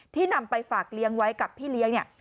นำไปฝากเลี้ยงไว้กับพี่เลี้ยงเนี่ย